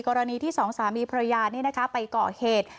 กรณีที่สองสามีพระรยานี่นะคะไปเกาะเหตุ